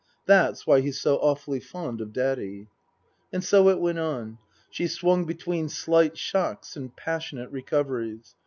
" That's why he's so awfully fond of Daddy." And so it went on. She swung between slight shocks and passionate recoveries.